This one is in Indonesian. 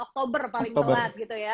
oktober paling telat gitu ya